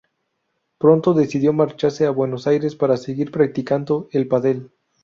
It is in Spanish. Pronto, decidió marcharse a Buenos Aires para seguir practicando el pádel.